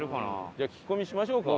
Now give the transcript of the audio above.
じゃあ聞き込みしましょうか？